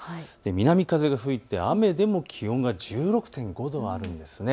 南風が吹いて雨でも気温が１６．５度あるんです。